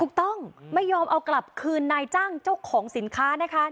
ถูกต้องไม่ยอมเอากลับคืนนายจ้างเจ้าของสินค้านะคะ